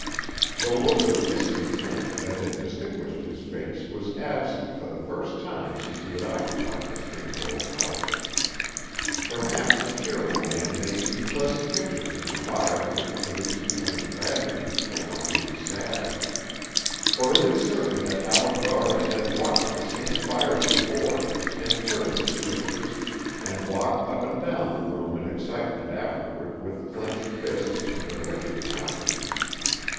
The look of discontent that had distinguished his face was absent for the first time since he had occupied the strange old house. Perhaps a cheerful man may see pleasant pictures in a fire which produces only tragedies for one who is sad; for it is certain that Allan Dorris had watched the same fire before, and cursed its pictures, and walked up and down the room in excitement afterward with clenched fists and a wicked countenance.